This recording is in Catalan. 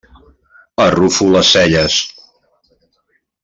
Arrufo les celles.